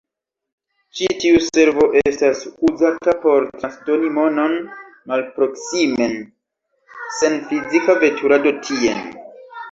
Ĉi tiu servo estas uzata por transdoni monon malproksimen sen fizika veturado tien.